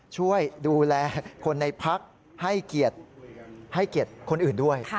ช่วยดูแลคนในพักรให้เกียรติให้เกียรติคนอื่นด้วย